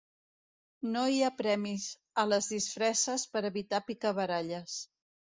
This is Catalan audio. No hi ha premis a les disfresses per evitar picabaralles.